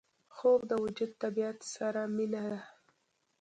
خوب د وجود طبیعت سره مینه ده